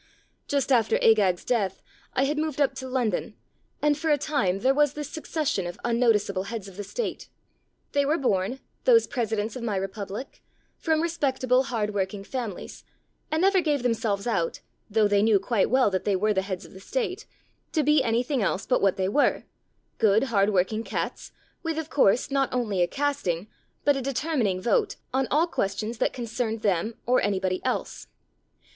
Just after Agag's death I had moved up to London, and for a time there was this succession of unnoticeable heads of the state. They were born — those presidents of my republic — from respect 248 There Arose a King able hard working families, and never gave them selves out (though they knew quite well that they were the heads of the state) to be anything else but what they were : good, hard working cats, with, of course, not only a casting, but a determin ing vote on all questions that concerned them or any body else.